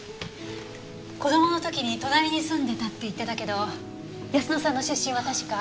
子供の時に隣に住んでたって言ってたけど泰乃さんの出身は確か。